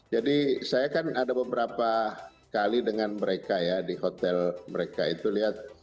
jadi saya kan ada beberapa kali dengan mereka ya di hotel mereka itu lihat